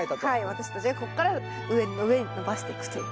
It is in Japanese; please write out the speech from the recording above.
私たちがこっから上に上に伸ばしていくという。